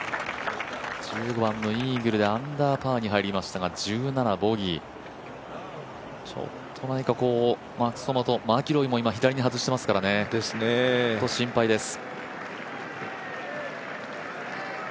１５番のイーグルでアンダーパーに入りましたが１７番ボギー、ちょっと何か、マックス・ホマとマキロイも左に外していますからちょっと心配です。